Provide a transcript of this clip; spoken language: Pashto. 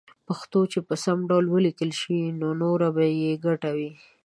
پښتو چې په سم ډول وليکلې شي نو نوره ته به يې ګټه وي